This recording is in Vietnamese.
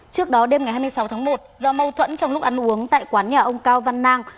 trước đó đêm ngày hai mươi sáu tháng một do mâu thuẫn trong lúc ăn uống tại quán nhà ông cao văn nang